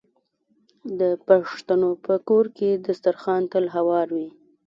د پښتنو په کور کې دسترخان تل هوار وي.